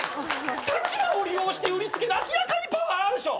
立場を利用して売りつけ明らかにパワハラでしょ。